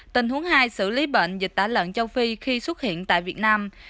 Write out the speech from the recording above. tình huống hai xử lý bệnh dịch tả lợn châu phi khi xuất hiện tại việt nam